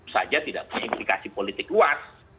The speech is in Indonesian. saja tidak punya implikasi politik kuat